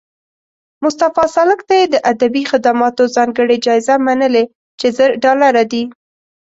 مصطفی سالک ته یې د ادبي خدماتو ځانګړې جایزه منلې چې زر ډالره دي